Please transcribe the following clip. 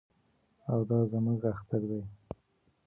او دا زموږ اختر دی.